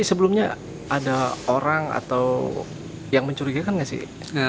sebelumnya ada orang atau yang mencurigakan nggak sih